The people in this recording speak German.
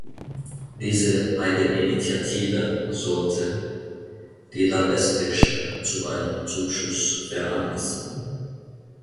Diese Eigeninitiative sollte die Landeskirche zu einem Zuschuss veranlassen.